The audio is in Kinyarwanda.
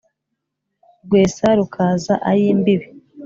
Rwesa rukaza ay' imbibi